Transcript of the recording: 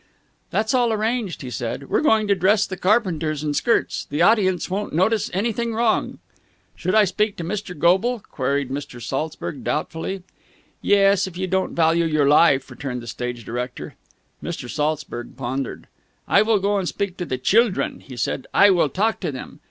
"That's all arranged," he said. "We're going to dress the carpenters in skirts. The audience won't notice anything wrong." "Should I speak to Mr. Goble?" queried Mr. Saltzburg doubtfully. "Yes, if you don't value your life," returned the stage director. Mr. Saltzburg pondered. "I will go and speak to the childrun," he said. "I will talk to them.